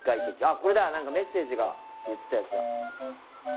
これだ何かメッセージがって言ってたやつだ